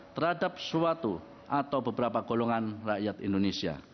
terhadap suatu atau beberapa golongan rakyat indonesia